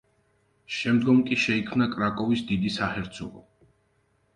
შემდგომ კი შეიქმნა კრაკოვის დიდი საჰერცოგო.